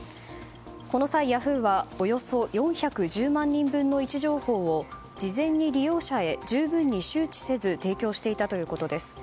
この際、ヤフーはおよそ４１０万人分の位置情報を事前に利用者へ十分に周知せず提供していたということです。